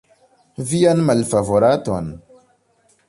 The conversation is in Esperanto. Vian malfavoraton?